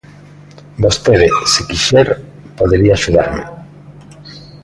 Vostede, se quixer, podería axudarme;